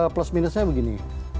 plus minusnya begini